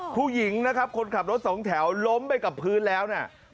ภูตญิงคนขับรถสองแถวล้มไปกับพื้นแล้วเนี่ย